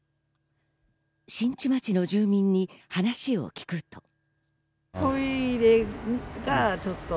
新地町の住民に話を聞くと。